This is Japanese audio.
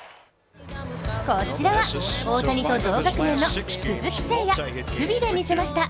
こちらは大谷と同学年の鈴木誠也、守備で見せました。